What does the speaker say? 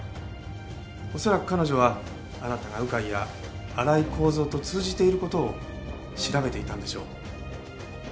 恐らく彼女はあなたが鵜飼や荒井孝蔵と通じている事を調べていたんでしょう。